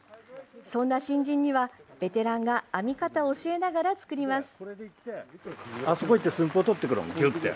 そんな新人には、ベテランが編み方を教えながら作ります。